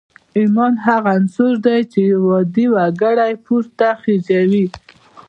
ایمان هغه عنصر دی چې یو عادي وګړی پورته خېژوي